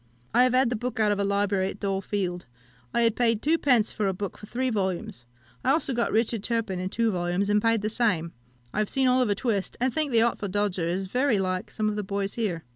I have had the book out of a library at Dole Field. I had paid two pence a book for three volumes. I also got Richard Turpin, in two volumes, and paid the same. I have seen Oliver Twist, and think the Artful Dodger is very like some of the boys here.